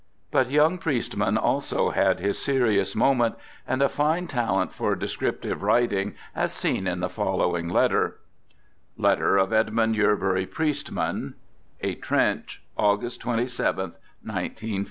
But young Priestman also had his serious moment and a fine talent for descriptive writing as seen in the follow ing letter: {Letter of Edmund Yerbury Priestman) A Trench, August 27th, 1 91 5.